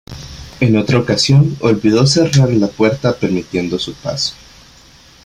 En otra ocasión, olvidó cerrar la puerta permitiendo su paso.